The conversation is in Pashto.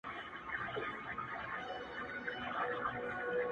ته يې جادو په شينكي خال كي ويــنې-